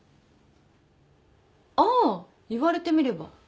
あ言われてみれば。